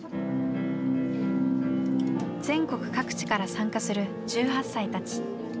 全国各地から参加する１８歳たち。